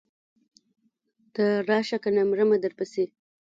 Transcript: ته راشه کنه مرمه درپسې.